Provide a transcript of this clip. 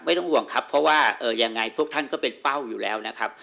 ห่วงครับเพราะว่ายังไงพวกท่านก็เป็นเป้าอยู่แล้วนะครับ